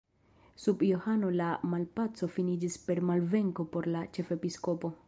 Sub Johano la malpaco finiĝis per malvenko por la ĉefepiskopo.